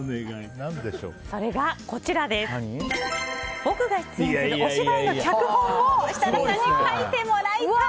それが僕が出演するお芝居の脚本を設楽さんに書いてもらいたい。